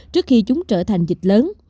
trước khi chúng trở thành dịch lớn